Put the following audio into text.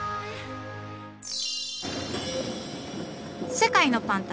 世界のパン旅。